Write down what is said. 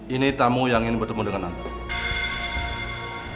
ini tamu yang ingin bertemu dengan anda